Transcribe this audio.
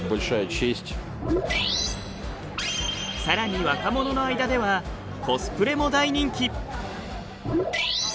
さらに若者の間ではコスプレも大人気。